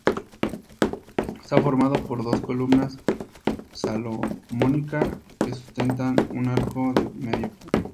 Está formado por dos columna salomónica que sustentan un arco de medio punto.